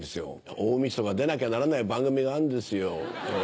大みそか出なきゃならない番組があるんですよ。